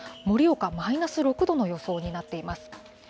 盛岡マイナス６度の予想になっています。